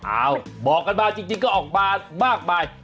อ้าวบอกกันมาจริงก็ออกมามากมาย